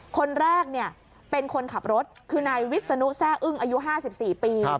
คนแรกเป็นคนขับรถคือนายวิศนุแซ่อึ้งอายุ๕๔ปี